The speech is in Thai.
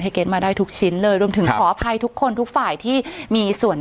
เก็ตมาได้ทุกชิ้นเลยรวมถึงขออภัยทุกคนทุกฝ่ายที่มีส่วน